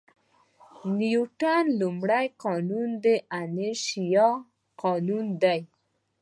د نیوټن لومړی قانون د انرشیا قانون دی.